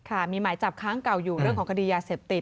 มีหมายจับค้างเก่าอยู่เรื่องของคดียาเสพติด